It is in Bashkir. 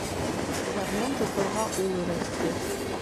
Гармун тоторға ул өйрәтте.